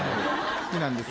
好きなんですよ。